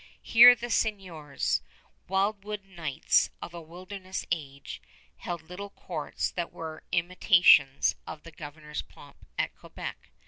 Here the seigniors, wildwood knights of a wilderness age, held little courts that were imitations of the Governor's pomp at Quebec.